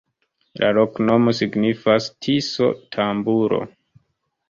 La loknomo signifas: Tiso-tamburo.